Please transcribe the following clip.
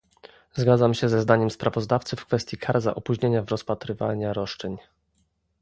Zgadzam się ze zdaniem sprawozdawcy w kwestii kar za opóźnienia w rozpatrywania roszczeń